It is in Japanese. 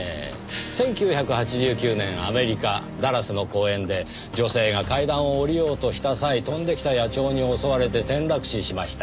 １９８９年アメリカダラスの公園で女性が階段を下りようとした際飛んできた野鳥に襲われて転落死しました。